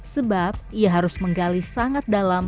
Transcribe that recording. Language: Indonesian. sebab ia harus menggali sangat dalam